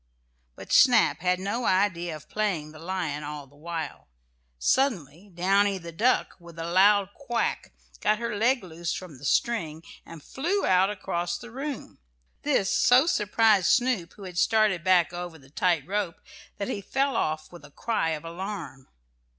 But Snap had no idea of playing the lion all the while. Suddenly Downy, the duck, with a loud quack, got her leg loose from the string and flew out across the room. This so surprised Snoop, who had started back over the tight rope, that he fell off with a cry of alarm.